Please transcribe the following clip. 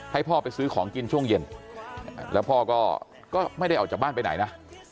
ให้พ่อไปซื้อของกินช่วงเย็นแล้วพ่อก็ไม่ได้ออกจากบ้านไปไหนนะ